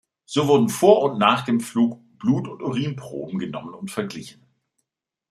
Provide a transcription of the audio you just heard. So wurden vor und nach dem Flug Blut- und Urinproben genommen und verglichen.